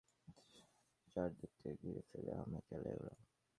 কিছু বুঝে ওঠার আগেই চারদিক থেকে ঘিরে ফেলে হামলা চালায় ওরা।